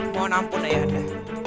mohon ampun ayahanda